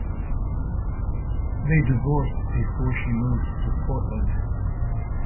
They divorced before she moved to Portland.